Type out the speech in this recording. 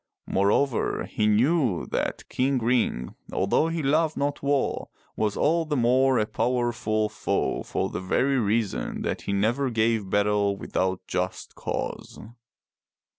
Moreover, he knew that King Ring, although he loved not war, was all the more a power ful foe for the very reason that he never gave battle without just cause.